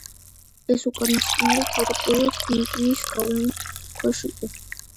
ეს უკანასკნელი თავდაპირველად ფინიკიის გავლენის ქვეშ იყო.